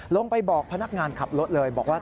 ลงไปบอกพนักงานขับรถเลยบอกว่า